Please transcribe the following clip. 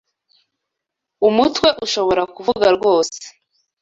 umutwe ushobora kuvuga rwose